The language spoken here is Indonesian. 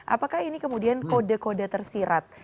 apakah ini kemudian kode kode tersirat